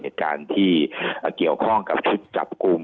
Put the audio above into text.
ท่านรองโฆษกครับ